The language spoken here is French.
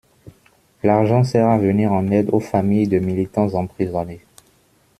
L'argent sert à venir en aide aux familles de militants emprisonnés.